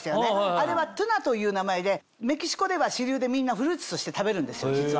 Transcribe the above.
あれはトゥナという名前でメキシコでは主流でみんなフルーツとして食べるんですよ実は。